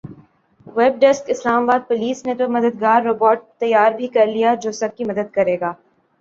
web desk Islamabad police نے تو مددگار روبوٹ تیار بھی کرلیا جو سب کی مدد کرے گا